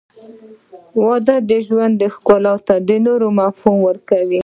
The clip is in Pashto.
• واده د ژوند ښکلا ته نوی مفهوم ورکوي.